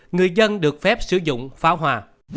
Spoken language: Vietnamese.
hai người dân được phép sử dụng pháo hoa